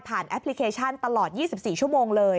แอปพลิเคชันตลอด๒๔ชั่วโมงเลย